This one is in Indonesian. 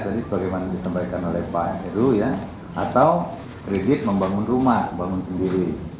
jadi sebagaimana disampaikan oleh pak r u ya atau kredit membangun rumah membangun sendiri